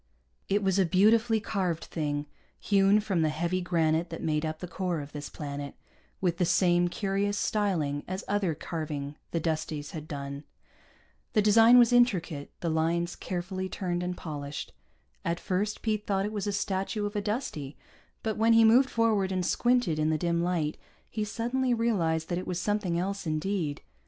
It was a beautifully carved thing, hewn from the heavy granite that made up the core of this planet, with the same curious styling as other carving the Dusties had done. The design was intricate, the lines carefully turned and polished. At first Pete thought it was a statue of a Dustie, but when he moved forward and squinted in the dim light, he suddenly realized that it was something else indeed.